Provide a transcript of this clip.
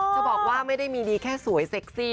จะบอกว่าไม่ได้มีดีแค่สวยเซ็กซี่